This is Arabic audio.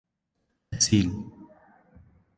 أسيل